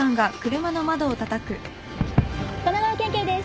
神奈川県警です。